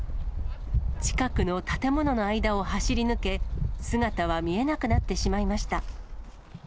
近くの建物の間を走り抜け、姿は見えなくなってしまいました。